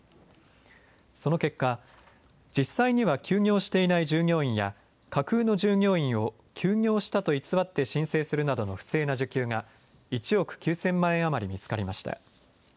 その結果、実際には休業していない従業員や架空の従業員を休業したと偽って申請するなどの不正な受給が１億９０００万円余り見つかりました。